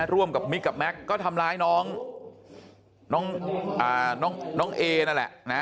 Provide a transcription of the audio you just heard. ร่วมกับมิกกับแม็กซ์ก็ทำร้ายน้องเอนั่นแหละนะ